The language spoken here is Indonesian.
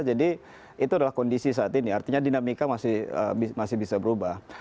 jadi itu adalah kondisi saat ini artinya dinamika masih bisa berubah